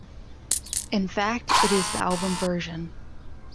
In fact it is the album version.